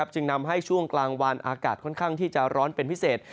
จึงนำให้ช่วงกลางวันอากาศค่อนข้างที่จะร้อนเป็นพิเศษ